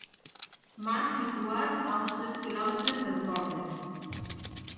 Mas situat a uns tres quilòmetres del poble.